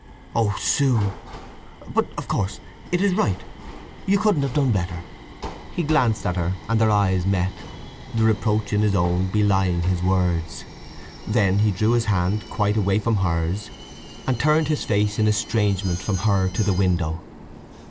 "Oh, Sue! … But of course it is right—you couldn't have done better!" He glanced at her and their eyes met, the reproach in his own belying his words. Then he drew his hand quite away from hers, and turned his face in estrangement from her to the window.